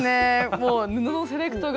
もう布のセレクトが。